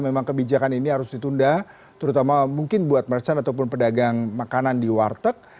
karena memang kebijakan ini harus ditunda terutama mungkin buat merchant ataupun pedagang makanan di warteg